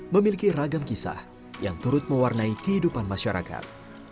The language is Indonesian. memiliki ragam kisah yang turut mewarnai kehidupan masyarakat